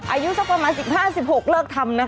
อายุสักประมาณ๑๕๑๖เลิกทำนะคะ